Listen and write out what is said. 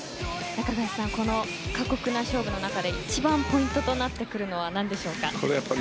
中垣内さん、過酷な勝負の中で一番ポイントとなってくるのは何でしょうか。